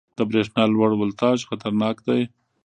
• د برېښنا لوړ ولټاژ خطرناک دی.